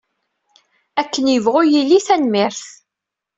Akken yebɣu yili, tanemmirt.